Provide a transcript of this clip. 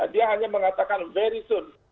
dia hanya mengatakan very zone